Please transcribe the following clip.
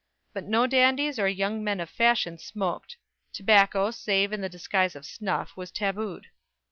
But no dandies or young men of fashion smoked. Tobacco, save in the disguise of snuff, was tabooed.